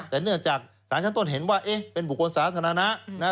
แต่เนื่องจากสารชั้นต้นเห็นว่าเป็นบุคคลสาธารณะ